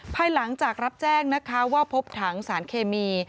ภายหลังจากรับแจ้งนะคะว่าพบถังสารเคมี